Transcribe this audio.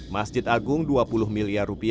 masjid agung rp dua puluh miliar